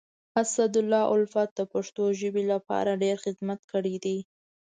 اسدالله الفت د پښتو ژبي لپاره ډير خدمت کړی دی.